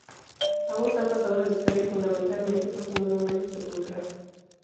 Ambos han pasado a la historia fundamentalmente por su monumento sepulcral.